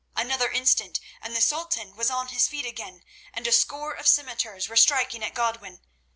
Another instant, and the Sultan was on his feet again, and a score of scimitars were striking at Godwin.